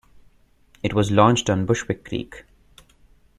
It was launched on Bushwick Creek.